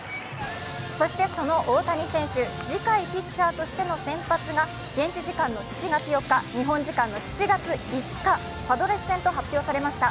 そしてその大谷選手、次回、ピッチャーとしての先発が現地時間の７月４日、日本時間の７月５日、パドレス戦と発表されました。